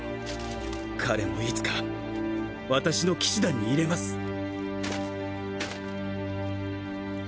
彼もいつか私の騎士団に入れます